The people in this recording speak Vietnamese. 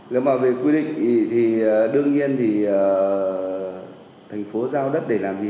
nếu mà về quy định thì đương nhiên thì thành phố giao đất để làm gì